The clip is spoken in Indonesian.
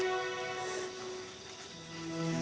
ya pak mat